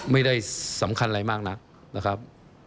ไม่ได้สำคัญอะไรมากนักนะครับ